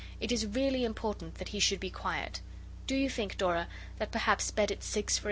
It is really important that he should be quiet. Do you think, Dora, that perhaps bed at six for H.